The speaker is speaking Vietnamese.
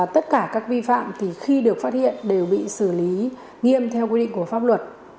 tất cả các vi phạm thì khi được phát hiện đều bị xử lý nghiêm theo quy định của pháp luật